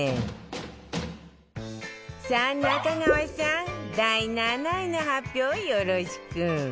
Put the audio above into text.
さあ中川さん第７位の発表よろしく！